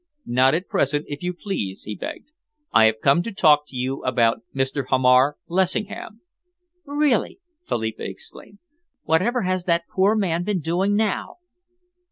"Not at present, if you please," he begged. "I have come to talk to you about Mr. Hamar Lessingham." "Really?" Philippa exclaimed. "Whatever has that poor man been doing now."